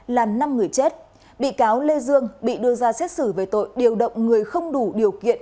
là năm người chết bị cáo lê dương bị đưa ra xét xử về tội điều động người không đủ điều kiện